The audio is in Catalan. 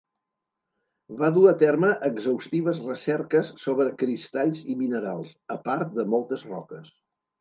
Va dur a terme exhaustives recerques sobre cristalls i minerals, a part de moltes roques.